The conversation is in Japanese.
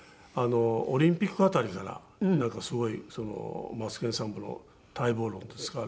オリンピック辺りからなんかすごい『マツケンサンバ』の待望論ですか？